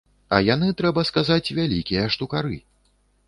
А яны, трэба сказаць, вялікія штукары.